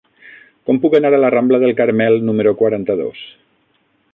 Com puc anar a la rambla del Carmel número quaranta-dos?